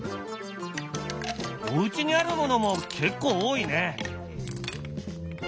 おうちにあるものも結構多いね。